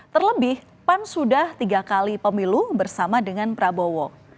terlebih pan sudah tiga kali pemilu bersama dengan prabowo